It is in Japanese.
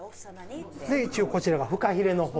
一応こちらがフカヒレの方。